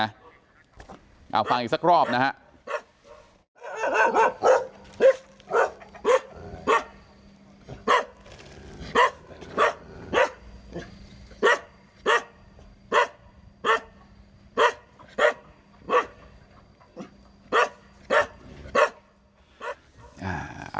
เอาฟังอีกสักรอบนะฮะ